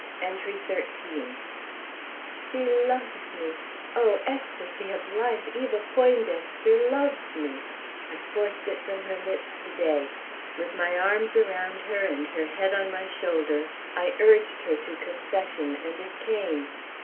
ENTRY XIII. She loves me. Oh, ecstasy of life! Eva Poindexter loves me. I forced it from her lips to day. With my arms around her and her head on my shoulder, I urged her to confession, and it came.